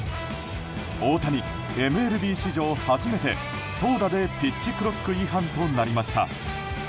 大谷、ＭＬＢ史上初めて投打でピッチクロック違反となりました。